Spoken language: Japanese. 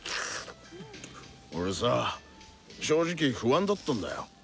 俺さ正直不安だったんだよ。